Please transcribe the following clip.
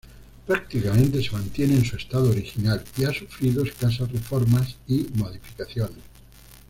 Prácticamente se mantiene en su estado original y ha sufrido escasas reformas y modificaciones.